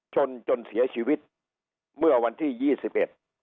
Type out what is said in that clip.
จนจนเสียชีวิตเมื่อวันที่ยี่สิบเอ็ด